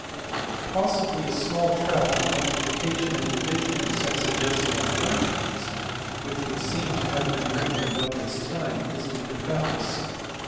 Possibly a small tract on multiplication and division of sexagesimal fractions, which would seem to have been written about this time, is due to Pappus.